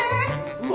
うわ。